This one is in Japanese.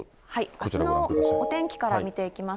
あすの天気から見ていきます。